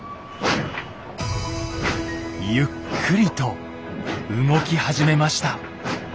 ゆっくりと動き始めました。